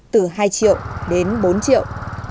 từ hai triệu đến bốn triệu